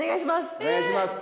お願いします！